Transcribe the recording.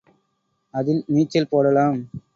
அதில் நீச்சல் போடலாம்.